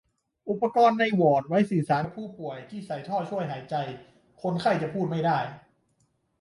อุปกรณ์ในวอร์ดไว้สื่อสารกับผู้ป่วยที่ใส่ท่อช่วยหายใจ คนไข้จะพูดไม่ได้